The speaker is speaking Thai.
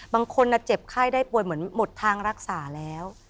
คนเจ็บไข้ได้ป่วยเหมือนหมดทางรักษาแล้ว